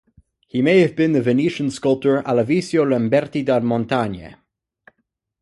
He may have been the Venetian sculptor, Alevisio Lamberti da Montagne.